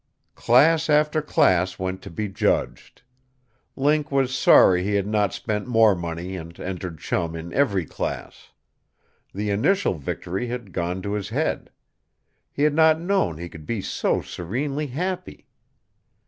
Class after class went to be judged. Link was sorry he had not spent more money and entered Chum in every class. The initial victory had gone to his head. He had not known he could be so serenely happy.